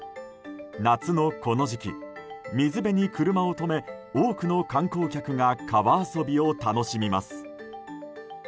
夏のこの時期、水辺に車を止め多くの観光客が川遊びを楽しみます。